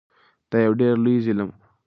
دا یو ډیر لوی ظلم و.